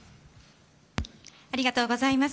ありがとうございます。